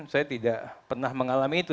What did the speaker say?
saya tidak pernah mengalami itu